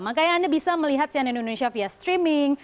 makanya anda bisa melihat cnn indonesia via streaming